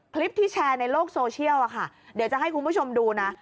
คลิปที่แชร์ในโลกโซเชียลอะค่ะเดี๋ยวจะให้คุณผู้ชมดูนะ